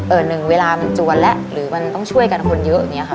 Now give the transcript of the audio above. เอ่อหนึ่งเวลามันจวนและหรือมันต้องช่วยกันคนเยอะเนี้ยค่ะ